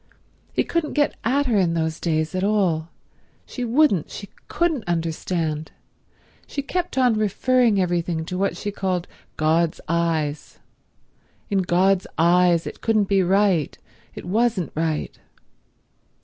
He couldn't get at her in those days at all; she wouldn't, she couldn't understand. She kept on referring everything to what she called God's eyes—in God's eyes it couldn't be right, it wasn't right.